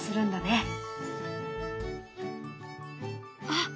あ！